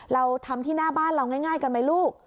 เราทำที่หน้าบ้านเราง่ายกันไหมลูก